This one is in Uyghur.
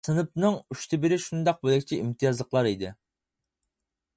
سىنىپنىڭ ئۈچتىن بىرى شۇنداق بۆلەكچە «ئىمتىيازلىقلار» ئىدى.